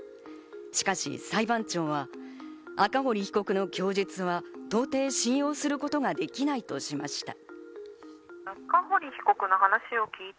しかし裁判長は、赤堀被告の供述は到底信用することができないとしました。